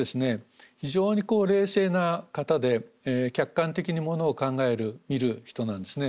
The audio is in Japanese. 非常に冷静な方で客観的にものを考える見る人なんですね。